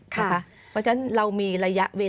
เราก็กลับมาให้บริการต่อในส่วนของถ้าเราหนีกันอย่างนี้